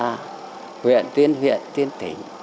người ta huyện tuyên huyện tuyên tỉnh